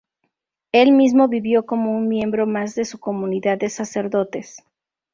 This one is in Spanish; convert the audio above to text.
Él mismo vivió como un miembro más de su comunidad de sacerdotes.